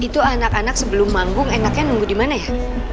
hai itu anak anak sebelum manggung enaknya nunggu dimana ya